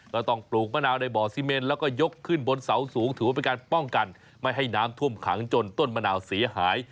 ต้องปลูกมะนาวในบ่อซีเมนแล้วก็ยกขึ้นบนเสาสูงถือว่าเป็นการป้องกันไม่ให้น้ำท่วมขังจนต้นมะนาวเสียหาย